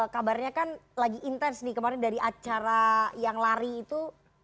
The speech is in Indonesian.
kabarnya kan lagi intens nih kemarin dari acara yang lari itu